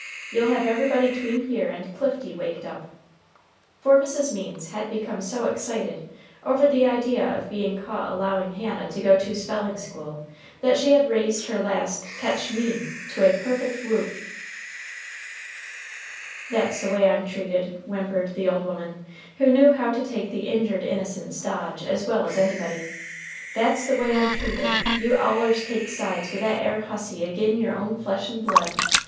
You'll have everybody 'tween here and Clifty waked up." For Mrs. Means had become so excited over the idea of being caught allowing Hannah to go to spelling school that she had raised her last "Ketch me!" to a perfect whoop. "That's the way I'm treated," whimpered the old woman, who knew how to take the "injured innocence" dodge as well as anybody. "That's the way I'm treated. You allers take sides with that air hussy agin your own flesh and blood.